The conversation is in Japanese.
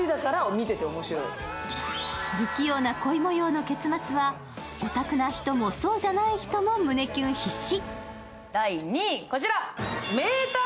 不器用な恋もようの結末はヲタクな人もそうじゃない人も胸キュン必至。